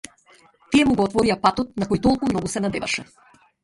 Тие му го отворија патот на кој толку многу се надеваше.